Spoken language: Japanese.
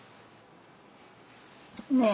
ねえ？